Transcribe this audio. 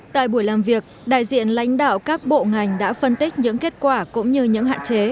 tại buổi làm việc đại diện lãnh đạo các bộ ngành đã phân tích những kết quả cũng như những hạn chế